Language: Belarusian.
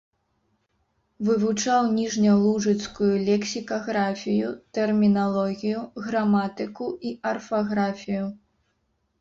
Вывучаў ніжнялужыцкую лексікаграфію, тэрміналогію, граматыку і арфаграфію.